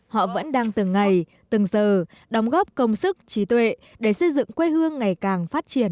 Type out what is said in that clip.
họ vẫn đang từng ngày từng giờ đóng góp công sức trí tuệ để xây dựng quê hương ngày càng phát triển